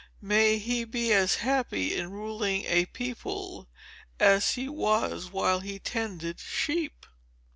May he be as happy in ruling a people, as he was while he tended sheep!"